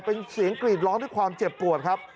เป็นเสียงกรีดร้องด้วยความเจ็บปวดครับ